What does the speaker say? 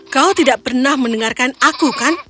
kau tidak pernah mendengarkan aku kan